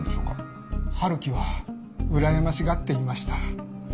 春樹はうらやましがっていました。